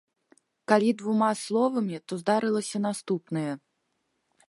Калі двума словамі, то здарылася наступнае.